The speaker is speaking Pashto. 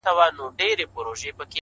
هغه به دروند ساتي چي څوک یې په عزت کوي-